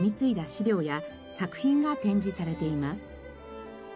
資料や作品が展示されています。